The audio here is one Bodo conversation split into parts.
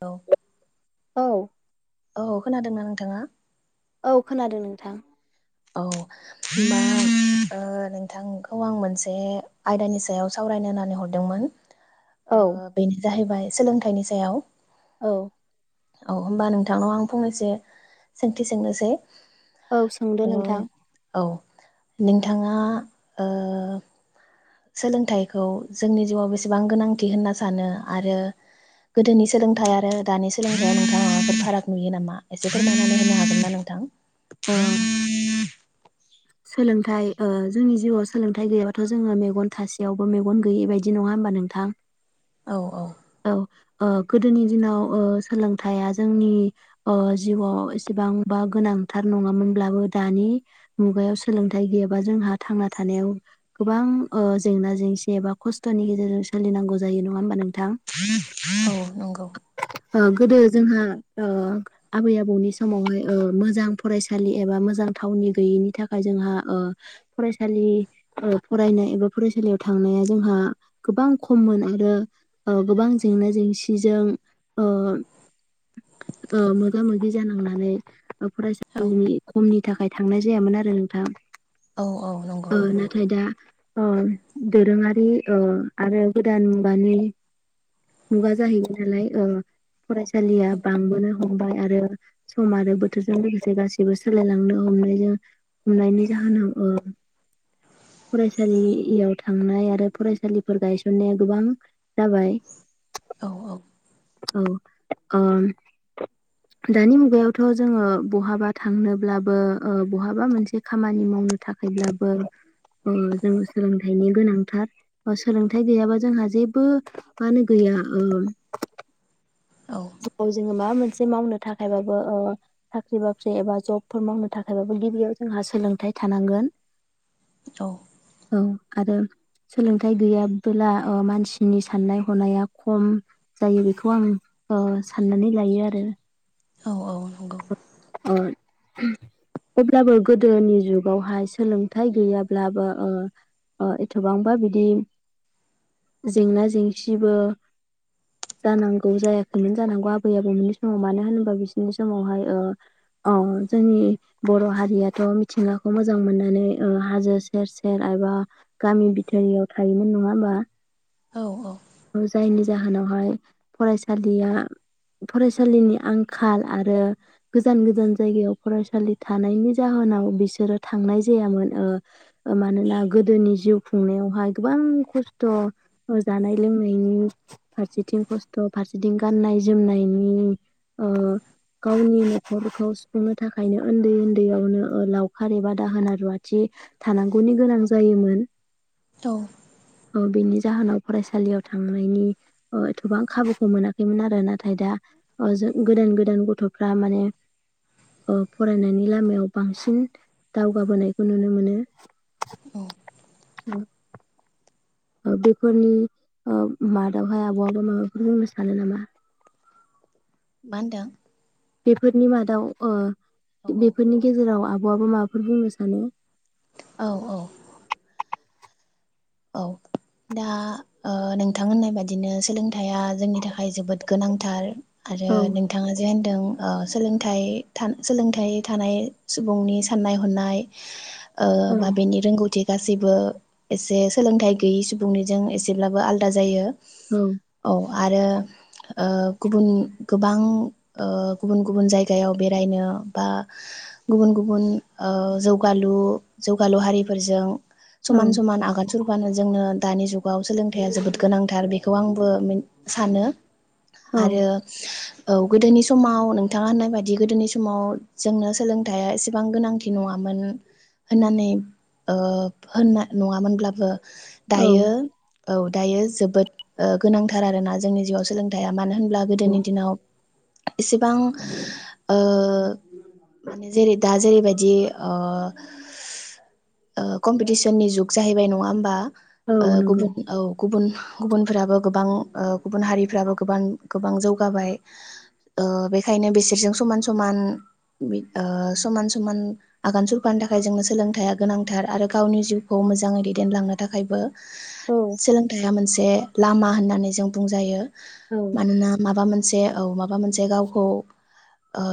औ औ औ खोनादोंना नोंथाङा? औ खोनादों नोंथां। औ दा ओ नोंथांखौ आं मोनसे आयदानि सायाव सावरायनो होननानै हरदोंमोन। औ ओ बेनो जाहैबाय सोलोंथाइनि सायाव। औ औ होमबा नोंथांनाव आं फंनैसो सोंथि सोंनोसै। औ सोंदो ओ नोंथां। औ नोंथाङा ओ सोलोंथाइखौ जोंनि जिउआव बेसेबां गोनांथि होनना सानो आरो गोदोनि सोलोंथाइ आरो दानि सोलोंथाइआव नोंथाङा फाराग नुयो नामा एसे फोरमायनानै होनो हागोनना नोंथां? अ सोलोंथाइ ओ जोंनि जिउआव सोलोंथाइ गैयाबाथ' जोङो मेगन थासेयावबो मेगन गैयै बायदि नङा होमबा नोंथां? औ औ ओ गोदोनि दिनाव ओ सोलोंथाइया जोंनि ओ जिउआव एसेबांबा गोनांथार नङामोनब्लाबो दानि मुगायाव सोलोंथाइ गैयाबा जोंहा थांना थानायाव गोबां ओ जेंना जेंसि एबा खस्थ'नि गेजेरजों सोलिनांगौ जायो नङा होमबा नों औ नंगौ। ओ गोदो जोंहा आबै आबौनि समावहाय मोजां फरायसालि एबा मोजां थावनि गैयैनि था खाय जोंहा ओ फरायसालि ओ फरायनाय एबा फरायसालियाव थांनाया जोंहा गोबां खममोन आरो ओ गोबां जेंना जेंसिजों ओ मोगा मोगि जानांनानै फरायसालिनि खमनि थाखाय थांनाय जायामोन आरो। नोंथां। औ औ नंगौ। ओ नाथाय दा ओ दोरोङारि ओ आरो गोदान मुगानि मुगा जाहैबाय नालाय ओ फरायसालिया बांबोनो हमबाय आरो सम आरो बोथोरजों लोगोसे गासैबो सोलायलांनो हमनायजों। हमनायनि जाहोनाव ओ फरायसालियाव थांनाय आरो फरायसालिफोर गायसननाया गोबां जाबाय औ औ ओ दानि मुगायावथ जोङो बहाबा थांनोब्लाबो ओ बहाबा मोनसे खामानि मावनो थाखायब्लाबो ओ जोंनो सोलोंथाइनि गोनांथार सोलोंथाइ गैयाबा जोंहा जेबो मा होनो गैया ओ औ गोबाव जों। माबा मोनसे मावनो थाखायबाबो ओ साख्रि बाख्रि एबा जबफोर मावनो थाखायबाबो गिबियाव जोंहा सोलोंथाइ थानांगोन। औ औ आरो। सोलोंथाइ गैयाबोला मानसिनि साननाय हनाया खम जायो बेखौ आं। ओ साननानै लायो आरो। औ औ। नंगौ [inaudible] अब्लाबो गोदोनि जुगावहाय सोलोंथाइ गैयाब्लाबो ओ ओ एथबांबा बिदि जेंना जेंसिबो जानांगौ जायाखैमोन जानांगौ आबै आबौमोननि समाव मानो होनोबा बिसोरनि समावहाय ओ अ जोंनि बर' हारियाथ मिथिंगाखौ मोजां मोननानै ओ हाजो सेर सेर एबा गामि बिथोरियाव थायोमोन नङा होमबा। औ औ। जायनि जाहोनावहाय फरायसालिया फरायसालिनि आंखाल आरो गोजान गोजान जायगायाव फरायसालि थानायनि जाहोनाव बिसोरो थांनाय जायामोन ओ मानोना गोदोनि जिउ खुंनायावहाय गोबां खस्थ जानाय। लोंनायनि फारसेथिं खस्थ फारसेथिं गाननाय जोमनायनि ओ गावनि नखरखौ सुफुंनो थाखायनो उन्दै उन्दैयावनो लावखार एबा दाहोना रुवाथि थानांगौनि गोनां जायोमोन। औ। बिनि जाहोनाव फरायसा। सालियाव थांनायनिएथबां खाबुखौ मोनाखैमोन आरो नाथाय दा ओ जों गोदान गोदान गथफ्रा माने ओ फरायनायनि लामायाव बांसिन दावगाबोनायखौ नुनो मोनो। बेफोरनि ओ मादावहाय आबआबो माबाफोर बुंनो सानो नामा। मा होनदों? बेफोरनि मादाव ओ औ बेफोरनि गेजेराव आब आबो माबाफोर बुंनो सानो। औ औ। औ दा ओ नोंथां होननाय बादिनो सोलोंथाइया जोंनि थाखाय जोबोद गोनांथार। आरो औ नोंथाङा जेन। दों ओ सोलोंथाय सोलोंथाइ थानाय सुबुंनि साननाय हनाय। ओ औ बा बेनि रोंगौथि। गासिबो एसे सोलोंथाइ। गैयै सुबुंनिजों एसेब्लाबो आलदा जायो। औ। औ आरो ओ गुबुन गोबां ओ गुबुन गुबुन जायगायाव बेरायनो बा गुबुन गुबुन ओ जौगालु जौगालु हारिफोरजों। औ समान समान आगान सुर फानो। जोंनो दानि जुगाव सोलोंथाइया जोबोद गोनांथार बेखौ आंबो सानो। आरो। औ औ गोदोनि समाव नोंथाङा होननाय बायदि गोदोनि समाव जोंनो सोलोंथाइया एसेबां गोनांथि नङामोन होननानै ओ होनना नङामोनब्लाबो दायो औ औ दायो जोबोद ओ गोनांथार आरोना जोंनि जिउआव सोलोंथाइया। मानो होनब्ला गोदोनि दिनाव इसेबां ओ माने जेरै दा जेरैबायदि बि ओ कमपिटिसननि जुग जाहैबाय नङा होमबा? ओ औ नंगौ गुबुन औ गुबुन गुबुनफ्राबो गोबां ओ गुबुन हारिफ्राबो गोबां- गोबां जौगाबाय ओ बेखायनो बिसोरजों समान- समान बि ओ समान- समान आगान सुरफानो थाखाय जोंनो सोलोंथाइया गोनांथार आरो गावनि जिउखौ मोजाङै दैदेनलांनो थाखायबो औ सोलोंथाइया मोनसे लामा होननानै होननानै जों बुंजायो । औ मानोना माबा मोनसे औ माबा मोनसे गावखौ ओ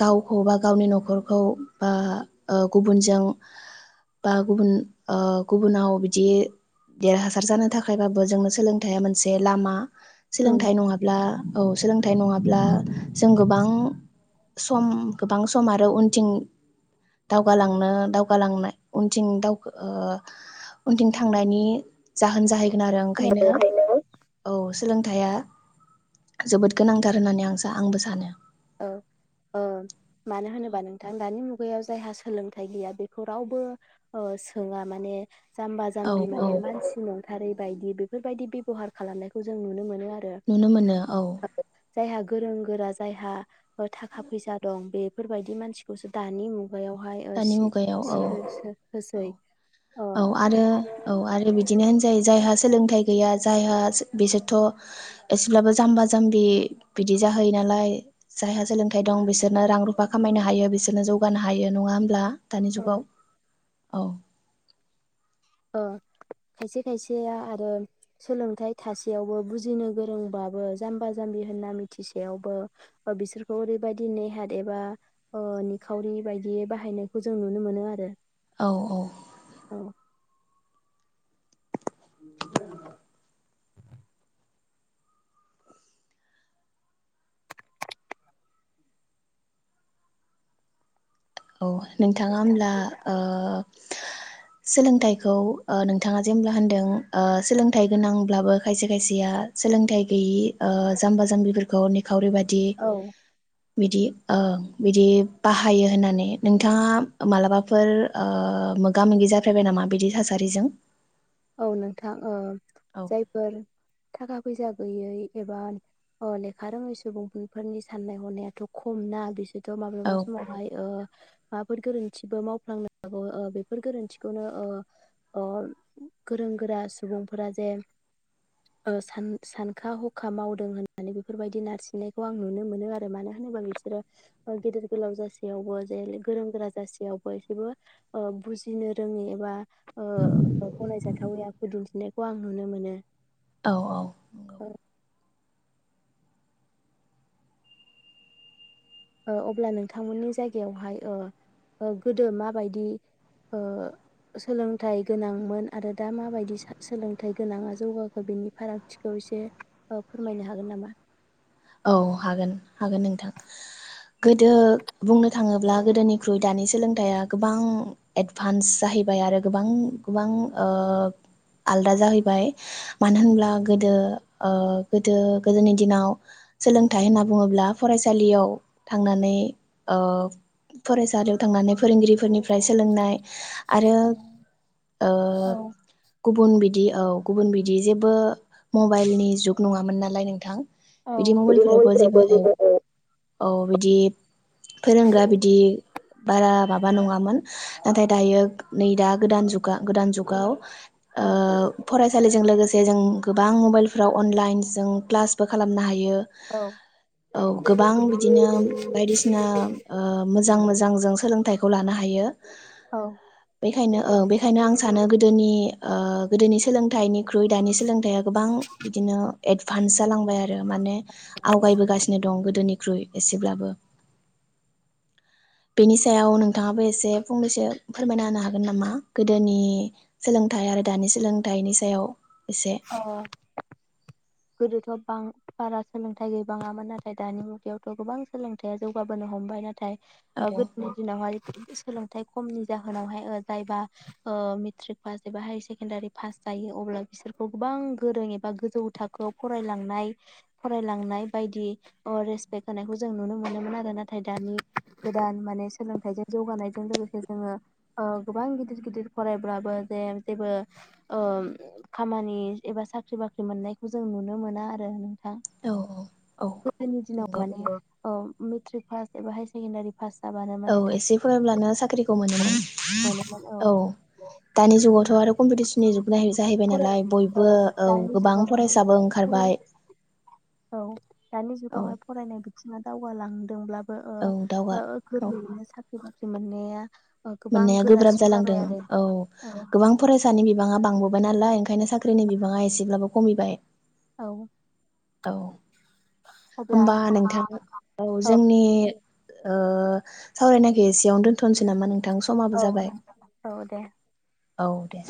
गावखौ बा गावनि नखरखौ बा ओ गुबुनजों बा गुबुन ओ गुबुनाव बि बिदि देरहासार जानो थाखायबाबो जोंनो सोलोंथाइआ मोनसे लामा औ सोलोंथाइ नङाब्ला औ सोलोंथाइ नङा ब्ला जों गोबां सम गोबां सम आरो उनथिं दावगालांनो दावगालांनाय उनथिं दाव ओ उनथिं थांनायनि जाहोन जाहै आरो ओंखायनो खोनायाखै औ सोलोंथाइया जोबोद गोनांथार होननानै आं आंबो सानो । औ ओ मानो होनोबा नोंथां दानि मुगायाव जायहा सोलोंथाइ गैया बेखौ रावबो ओ सोङा माने जाम्बा औ जाम्बि औ माने मानसि नंथारै बायदि बेफोरबायदि बेबहार खालामनायखौ जों नुनो मोनो आरो नुनो मोनो औ, जायहा गोरों गोरा जायहा थाखा फैसा दं बेफोरबायदि मानसिखौसो दानि मुगा दानि मुगायाव औ होसै -औ ओ -औ आरो औ आरो बिदिनो होनजायो जायहा सोलोंथाइ गैया जायहा बिसोरथ' एसेब्लाबो जाम्बा जाम्बि बिदि जाहैयो नालाय जायहा सोलोंथाइ दं बिसोरनो रां रुफा खामायनो हायो बिसोरनो जौगानो हायो । नङा होमब्ला? दानि औ जुगाव औ ओ खायसे खायसेया आरो सोलोंथाइ थासेयावबो बुजिनो गोरोंबाबो जाम्बा- जाम्बि होनना मिथिसेयावबो, बिसोरखौ ओरैबायदि नेहाट एबा ओ निखावरि बायदि बाहायनायखौ जों नुनो मोनो आरो औ -औ औ नोंथाङा होमब्ला ओ सोलोंथाइखौ ओ नोंथाङा जेनब्ला होनदों ओ सोलोंथाइ गोनांब्लाबो खायसे खायसेया सोलोंथाइ गैयि ओ जाम्बा जाम्बिफोरखौ निखावरि बादि औ बिदि ओं बिदि बाहायो होननानै नोंथाङा मालाबाफोर ओ मोगा मोगि जाफेरबाय नामा बिदि थासारिजों? औ नोंथां, ओ औ जायफोर थाखा फैसा गैयै एबा ओ लेखा रोङै सुबुंफोरनि साननाय हनायाथ' खम ना बिसोर थ' औ माब्लाबा समावहाय ओ माबाफोर गोरोन्थिबो मावफ्लांनो हागौ ओ बेफोर गोरोन्थिखौनो ओ अ गोरों गोरा सुबुंफोरा जे ओ सान-सानखा हखा मावदों होननानै बेफोरबायदि नारसिननायखौ आं नुनो मोनो आरो मानो होनोबा बिसोरो गेदेर गोलाव जासेयावबो जे गोरों गोरा जासेयावबो एसेबो बुजिनो रोङि एबा ओ गनाय जा थावै आखु दिनथिनायखौ आं नुनो मोनो। औ औ नंगौ। ओ अब्ला नोंथांमोननि जायगायावहाय ओ ओ गोदो माबायदि ओ सोलोंथाइ गोनांमोन आरो दा माबायदि सो-सोलोंथाइ गोनाङा जौगाखो बिनि फारागथिखौ एसे ओ फोरमायनो हागोन नामा? औ हागोन हागोन नोंथां गोदो बुंनो थाङोब्ला गोदोनिख्रुइ दानि सोलों थाया गोबां एडभान्स जाहैबाय आरो गोबां गोबां ओ आलदा जाहैबाय मानो होनब्ला गोदो ओ गोदो गोदोनि दिनाव सोलोंथाइ होनना बुङोब्ला फरायसालियाव थांनानै ओ फरायसालियाव थांनानै फोरोंगिरिफोरनिफ्राय सोलोंनाय आरो ओ औ गुबुन बिदि औ गुबुन बिदि जेबो मबाइलनि जुग नङामोन नालाय नोंथां। औ। बिदि मबाइलफोरावबो जेबो औ [unintelligible] औ बिदि फोरोंग्रा बिदि बारा माबा नङामोन नाथाय दायो नै दा गोदान जुगा गोदान जुगाव ओ औ फरायसालिजों लोगोसे जे जों गोबां मबाइलफ्राव अनलाइनजों क्लासबो खालामनो हायो। [unintelligible] औ औ गोबां बिदिनो बायदिसिना ओ मोजां मोजां जों सोलोंथाइ खौ लानो हायो। औ बेखायनो ओ बेखायनो आं सानो गोदोनि ओ गोदोनि सोलोंथाइनिख्रुइ दानि सोलोंथाइया गोबां बिदिनो एडभान्स जालांबाय आरो। माने आवगायबोगासिनो दं गोदो गोदोनिख्रुइ एसेब्लाबो बेनि सायाव नोंथाङाबो एसे फंनैसो फोरमायना होनो हागोन नामा? गोदोनि सोलोंथाइ आरो दानि सोलोंथाइनि सायाव एसे अ गोदोथ' बां-बारा सोलोंथाइ गैबाङामोन। नाथाय दानि मुगायावथ गोबां सोलोंथाया जौगाबोनो हमबाय नाथाय औ ओ गोदोनि दिनावहाय सोलों नाथाय खमनि जाहोनावहाय ओ जायबा ओ मेट्रिक पास एबा हायार सेकेण्डारि पास जायो अब्ला बिसोरखौ गोबां गोरों एबा गोजौ था खौ फरायलांनाय फरायलांनाय बायदि रेसपेक्ट होनायखौ जों नुनो मोनोमोन आरो नाथाय दानि गोदान माने सोलोंथाइजों जौगानायजों लोगोसे जोङो ओ गोबां गिदिर गिदिर फरायब्लाबो जे जेबो ओ खामानि एबा साख्रि बाख्रि मोननाय खौ जों नुनो मोना आरो। नोंथां औ औ गोदोनि दिनाव नंगौ माने ओ मेट्रिक पास एबा हाय सेकेण्डारि पास जाबानो माने औ थाब एसे फरायब्लानो साख्रिखौ मोनोमोन औ दानि जुगावथनआरो कम्पिटिसननि जुग जाहैबाय फराय नालाय बयबो औ दानि गोबां जुगाव माने फरायसा औ दानि औ जुगावहाय फरायनाय बिदि दावगाालांदोंब्ला बो ओ औ दावगा औ गोरलैयैनो ओ सा बसे मोने आ मोननाया गोब्राब जालांदों औ गोबां फरायसानि बिबाङा बांबो [unintelligible] नालाय ओंखायनो साख्रिनि बिबाङा एसेब्लाबो खमैबाय औ औ अब्ला होनबा नोंथां औ जोंनि सावरायनाखै सियावनो दोनथनोसै नामा नों नोंथां समाब औ जाबाय औ दे औ दे